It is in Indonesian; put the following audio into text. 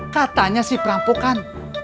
katanya sih perampokan